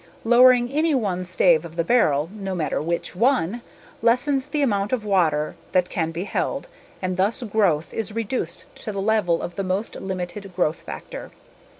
Lowering any one stave of the barrel, no matter which one, lessens the amount of water that can be held and thus growth is reduced to the level of the most limited growth factor.